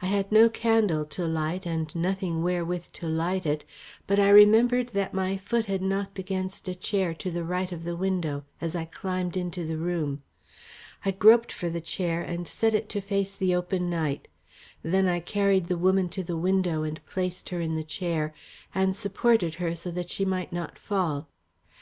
I had no candle to light and nothing wherewith to light it. But I remembered that my foot had knocked against a chair to the right of the window, as I climbed into the room. I groped for the chair and set it to face the open night. Then I carried the woman to the window and placed her in the chair, and supported her so that she might not fall.